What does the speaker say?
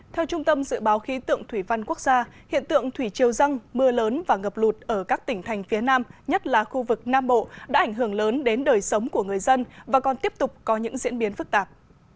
theo trung tâm dự báo khí tượng thủy văn quốc gia hiện tượng thủy chiều răng mưa lớn và ngập lụt ở các tỉnh thành phía nam nhất là khu vực nam bộ đã ảnh hưởng lớn đến đời sống của người dân và còn tiếp tục có những diễn biến phức tạp